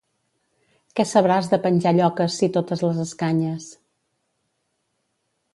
Què sabràs de penjar lloques si totes les escanyes.